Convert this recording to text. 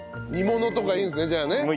煮物とかいいんですねじゃあね。